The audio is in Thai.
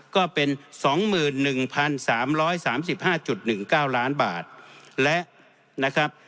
ก็เป็นสองหมื่นหนึ่งพันสามร้อยสามสิบห้าจุดหนึ่งเก้าล้านบาทและนะครับ